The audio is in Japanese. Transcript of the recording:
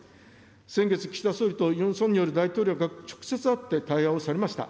先月、岸田総理とユン・ソンニョル大統領が直接会って対話をされました。